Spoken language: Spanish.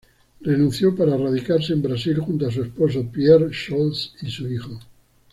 Renunció para radicarse en Brasil, junto a su esposo, Pierre Scholz, y su hijo.